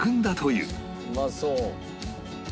うまそう。